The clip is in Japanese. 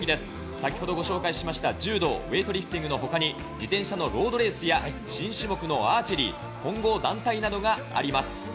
先ほどご紹介しました柔道、ウエイトリフティングのほかに自転車のロードレースや新種目のアーチェリー混合団体などがあります。